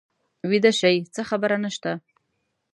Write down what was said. ویده شئ څه خبره نه شته.